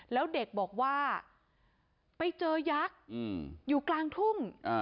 แล้วเด็กบอกว่าไปเจอยักษ์อยู่กลางทุ่ง